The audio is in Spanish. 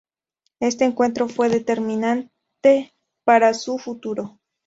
Este encuentro fue determinante para su futuro.